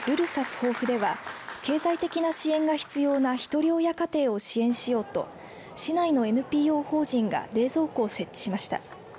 防府では経済的な支援が必要なひとり親家庭を支援しようと市内のＮＰＯ法人が冷蔵庫を設置しました。